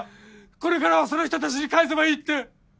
これからはその人たちに返せばいいって。